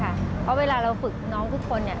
เพราะเวลาเราฝึกน้องทุกคน